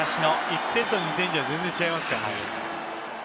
１点と２点じゃ全然違いますから。